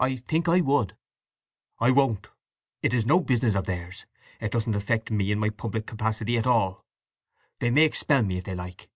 "I think I would." "I won't. It is no business of theirs. It doesn't affect me in my public capacity at all. They may expel me if they like."